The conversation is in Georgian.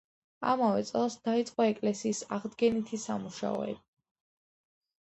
ამავე წელს დაიწყო ეკლესიის აღდგენითი სამუშაოები.